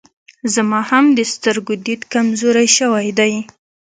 زما هم د سترګو ديد کمزوری سوی دی